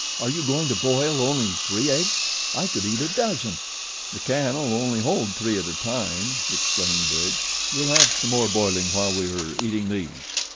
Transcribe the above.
Are you going to boil only three eggs? I could eat a dozen." "The can'll only hold three at a time," explained Bridge. "We'll have some more boiling while we are eating these."